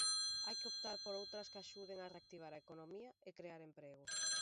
Hai que optar por outras que axuden a reactivar a economía e crear emprego.